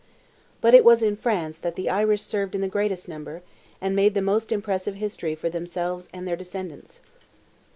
But it was in France that the Irish served in the greatest number, and made the most impressive history for themselves and their descendants.